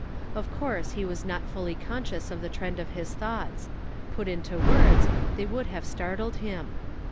Of course he was not fully conscious of the trend of his thoughts ; put into words, they would have startled him.